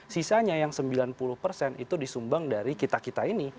sisanya yang sembilan puluh persen itu disumbang dari kita kita ini